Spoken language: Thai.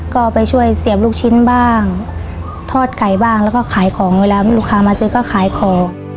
ก็ไปช่วยเสียบลูกชิ้นบ้างทอดไก่บ้างแล้วก็ขายของเวลาลูกค้ามาซื้อก็ขายของ